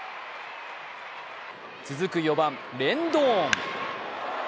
続く４番・レンドーン。